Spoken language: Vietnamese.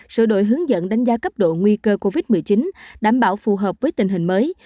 sửa đổi hướng dẫn đánh giá cấp độ nguy cơ covid một mươi chín đảm bảo phù hợp với tình hình mới